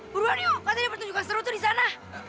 buruan yuk katanya pertunjukan seru tuh disana